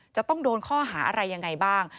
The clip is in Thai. จะต้องโดนข้อหาอะไรยังไงบ้าง